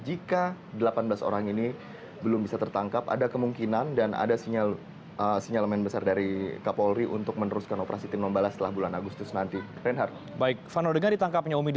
ini masih kawasan